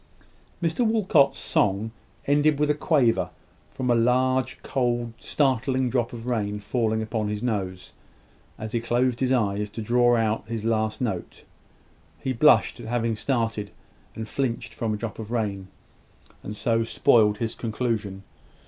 Mr Walcot's song ended with a quaver, from a large, cold, startling drop of rain falling on his nose, as he closed his eyes to draw out his last note. He blushed at having started and flinched from a drop of rain, and so spoiled his conclusion.